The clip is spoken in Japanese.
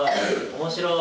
面白い！